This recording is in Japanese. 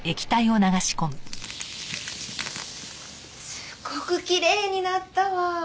すごくきれいになったわ。